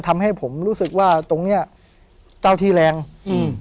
ทำให้ผมรู้สึกว่าตรงเนี้ยเจ้าที่แรงอืม